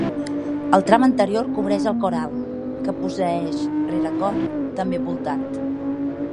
El tram anterior cobreix el cor alt, que posseeix rerecor també voltat.